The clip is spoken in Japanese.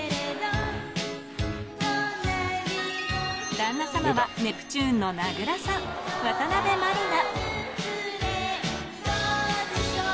旦那様はネプチューンの名倉さん、渡辺満里奈。